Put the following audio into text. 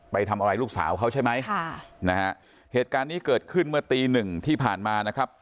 ไปทำอะไรลูกสาวเขาใช่ไหมค่ะนะฮะเหตุการณ์นี้เกิดขึ้นเมื่อตีหนึ่งที่ผ่านมานะครับ